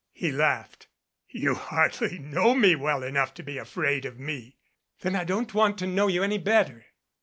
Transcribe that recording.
He laughed. "You hardly know me well enough to be afraid of me." "Then I don't want to know you any better."